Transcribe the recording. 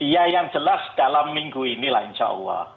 ya yang jelas dalam minggu ini lah insya allah